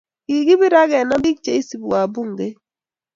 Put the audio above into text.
kikibir akenam biik che isubi Wabungeik.